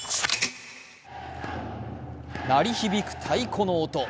鳴り響く太鼓の音。